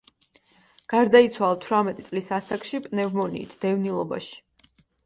გარდაიცვალა თვრამეტი წლის ასაკში პნევმონიით, დევნილობაში.